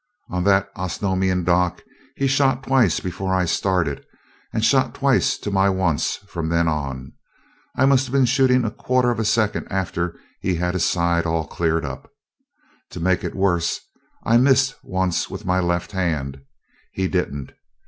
On that Osnomian dock he shot twice before I started, and shot twice to my once from then on. I must have been shooting a quarter of a second after he had his side all cleaned up. To make it worse I missed once with my left hand he didn't.